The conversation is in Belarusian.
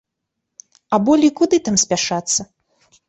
А болей куды там спяшацца?